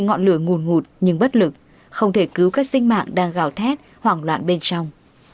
nhưng bất lực không thể cứu các sinh mạng đang gào thét hoảng loạn bên trong